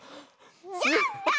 やった！